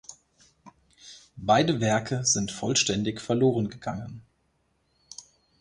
Beide Werke sind vollständig verloren gegangen.